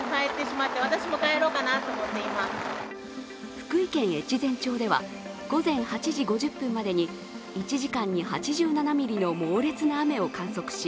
福井県越前町では午前８時５０分までに１時間に８７ミリの猛烈な雨を観測し